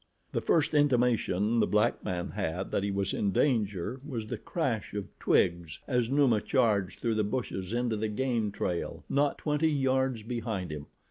The first intimation the black man had that he was in danger was the crash of twigs as Numa charged through the bushes into the game trail not twenty yards behind him.